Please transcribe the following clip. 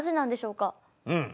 うん。